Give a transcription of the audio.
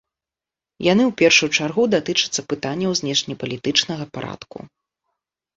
Яны ў першую чаргу датычацца пытанняў знешнепалітычнага парадку.